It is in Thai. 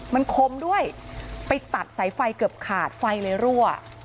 มันคมด้วยไปตัดสายไฟเกือบขาดไฟเลยรั่ว